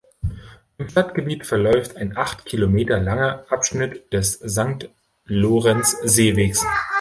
Auf Stadtgebiet verläuft ein acht Kilometer langer Abschnitt des Sankt-Lorenz-Seewegs.